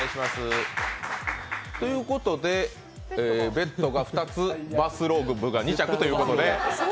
ベッドが２つバスローブが２着ということで。